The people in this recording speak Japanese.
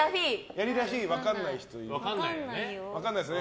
やりらふぃ分かんない人いる？